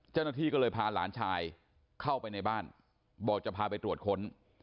เจ้าหน้าที่ก็เลยพาหลานชายเข้าไปในบ้านบอกจะพาไปตรวจค้น